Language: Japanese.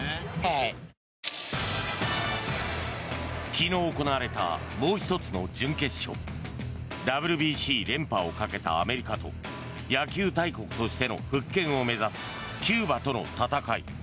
昨日行われたもう１つの準決勝ＷＢＣ連覇をかけたアメリカと野球大国としての復権を目指すキューバとの戦い。